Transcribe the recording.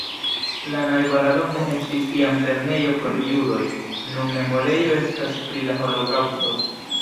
La najbara domo estis iam lernejo por judoj, nun memorejo estas pri la holokaŭsto.